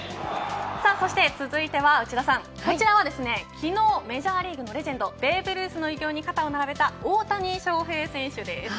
そして続いてはこちらは昨日メジャーリーグのレジェンドベーブ・ルースの偉業に肩を並べた大谷翔平選手です。